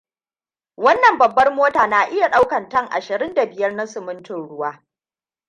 Wannan babbar mota na iya daukan tonne ashirin da biyar na simintin ruwa.